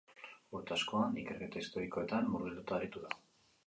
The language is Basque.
Urte askoan, ikerketa historikoetan murgilduta aritu da.